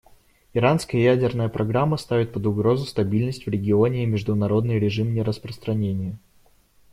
Иранская ядерная программа ставит под угрозу стабильность в регионе и международный режим нераспространения.